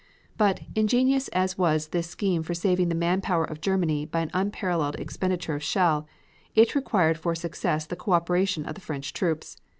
"But, ingenious as was this scheme for saving the man power of Germany by an unparalleled expenditure of shell, it required for full success the co operation of the French troops.